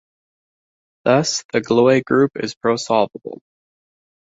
Thus, the Galois group is prosolvable.